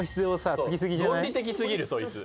論理的すぎるそいつ。